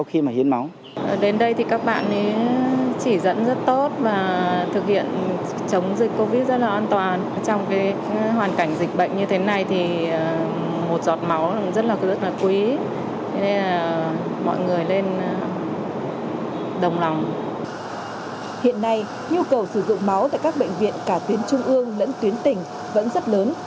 hiện nay nhu cầu sử dụng máu tại các bệnh viện cả tuyến trung ương lẫn tuyến tỉnh vẫn rất lớn